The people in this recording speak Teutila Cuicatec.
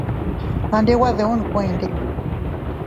A ndi nwe diun kuende.